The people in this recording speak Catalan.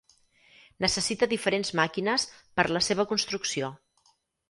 Necessita diferents màquines per la seva construcció.